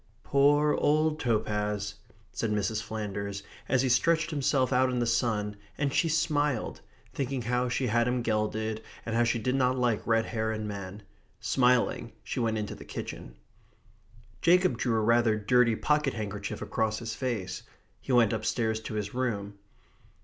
"Poor old Topaz," said Mrs. Flanders, as he stretched himself out in the sun, and she smiled, thinking how she had had him gelded, and how she did not like red hair in men. Smiling, she went into the kitchen. Jacob drew rather a dirty pocket handkerchief across his face. He went upstairs to his room.